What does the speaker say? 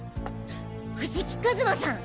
藤木一馬さん